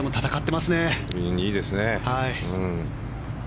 いいですね。